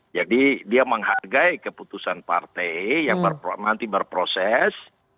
jadi dia menghargai keputusan partai yang nanti berproses